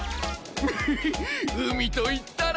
ムフフっ海といったら！